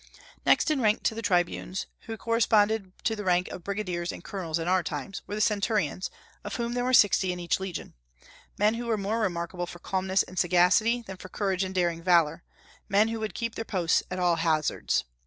Next in rank to the tribunes, who corresponded to the rank of brigadiers and colonels in our times, were the Centurions, of whom there were sixty in each legion, men who were more remarkable for calmness and sagacity than for courage and daring valor; men who would keep their posts at all hazards.